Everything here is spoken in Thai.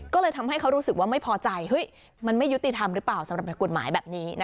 ก็เลยทำให้เขารู้สึกว่าไม่พอใจมันไม่ยุติธรรมหรือเปล่าสำหรับกฎหมายแบบนี้